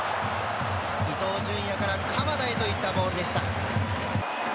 伊東純也から鎌田へといったボールでした。